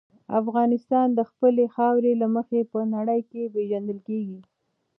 افغانستان د خپلې خاورې له مخې په نړۍ کې پېژندل کېږي.